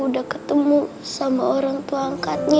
udah ketemu sama orang tua angkatnya